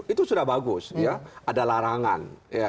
itu sudah bagus ada larangan